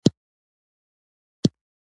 دوی په سیاست پوهیږي.